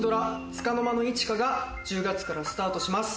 『束の間の一花』が１０月からスタートします。